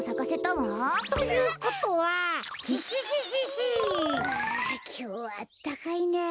わあきょうはあったかいなあ。